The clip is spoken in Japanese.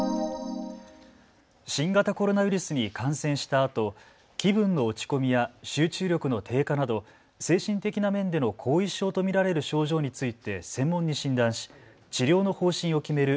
新型コロナウイルスに感染したあと気分の落ち込みや集中力の低下など精神的な面での後遺症と見られる症状について専門に診断し治療の方針を決める